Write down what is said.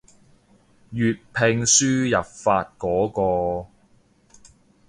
粵拼輸入法嗰個